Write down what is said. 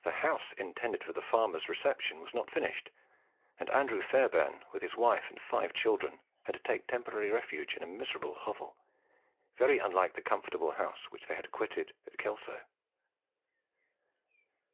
The house intended for the farmer's reception was not finished, and Andrew Fairbairn, with his wife and five children, had to take temporary refuge in a miserable hovel, very unlike the comfortable house which they had quitted at Kelso.